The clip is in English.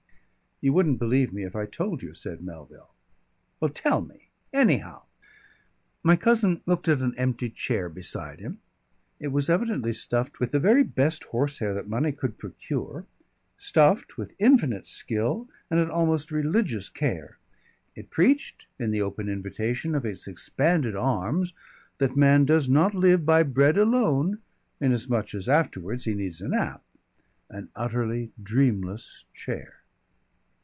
"You wouldn't believe me if I told you," said Melville. "Well, tell me anyhow." My cousin looked at an empty chair beside him. It was evidently stuffed with the very best horse hair that money could procure, stuffed with infinite skill and an almost religious care. It preached in the open invitation of its expanded arms that man does not live by bread alone inasmuch as afterwards he needs a nap. An utterly dreamless chair!